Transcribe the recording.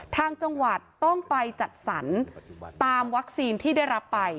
ทางจังหวัดต้องไปจัดสรรตามวัคซีนที่ได้รับไป